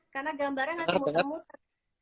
karena gambarnya masih muter muter